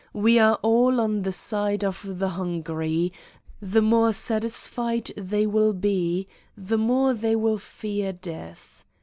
We are all on the side of the hungry: the more satisfied they will be, the more they will fear death.